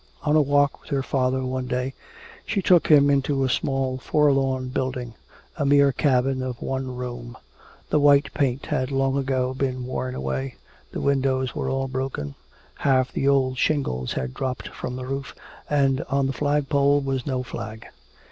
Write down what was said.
On a walk with her father one day she took him into a small forlorn building, a mere cabin of one room. The white paint had long been worn away, the windows were all broken, half the old shingles had dropped from the roof and on the flagpole was no flag.